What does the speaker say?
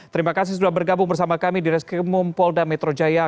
terima kasih sudah bergabung bersama kami di reskrimum poldametrojaya